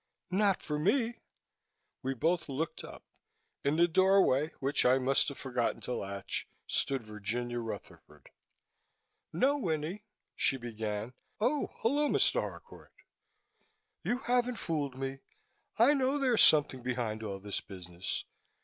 "Not for me!" We both looked up. In the doorway which I must have forgotten to latch stood Virginia Rutherford. "No Winnie" she began. "Oh, hullo, Mr. Harcourt You haven't fooled me. I know there's something behind all this business.